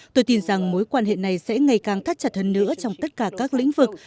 tôi tin rằng mối quan hệ này sẽ ngày càng thắt chặt hơn nữa trong tất cả các lĩnh vực